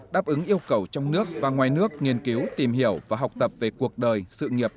đáp ứng yêu cầu trong nước và ngoài nước nghiên cứu tìm hiểu và học tập về cuộc đời sự nghiệp